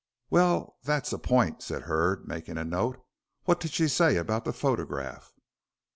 "Well, that's a point," said Hurd, making a note. "What did she say about the photograph?"